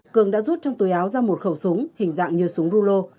cường đã rút trong túi áo ra một khẩu súng hình dạng như súng rulo